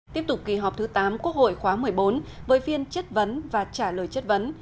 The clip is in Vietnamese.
tiếp tục kỳ họp thứ tám quốc hội khóa một mươi bốn với phiên chất vấn và trả lời chất vấn